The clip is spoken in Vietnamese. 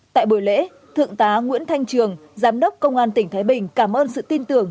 tại buổi lễ thượng tá nguyễn thanh trường giám đốc công an tỉnh thái bình cảm ơn sự tin tưởng